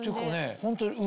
ホントに。